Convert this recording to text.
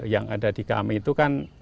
yang ada di kami itu kan